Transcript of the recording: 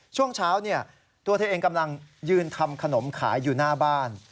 ช่วงเช้าตัวเธอเองกำลังยืนทำขนมขายอยู่หน้าบ้าน